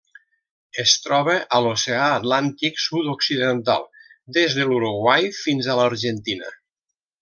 Es troba a l'Oceà Atlàntic sud-occidental: des de l'Uruguai fins a l'Argentina.